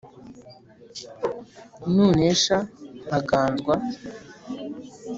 nunesha nkaganzwa